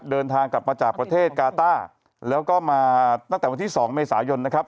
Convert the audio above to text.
เดินทางกลับมาจากประเทศกาต้าแล้วก็มาตั้งแต่วันที่๒เมษายนนะครับ